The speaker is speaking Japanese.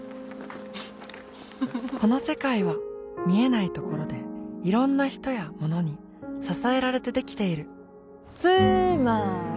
この世界は見えないところでいろんな人やものに支えられてできているつーまーり！